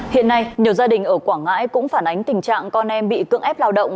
hiện nay nhiều gia đình ở quảng ngãi cũng phản ánh tình trạng con em bị cưỡng ép lao động